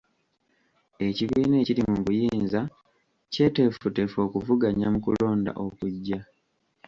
Ekibiina ekiri mu buyinza kyeteefuteefu okuvuganya mu kulonda okujja.